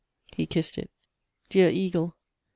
He kissed it. "Dear eagle!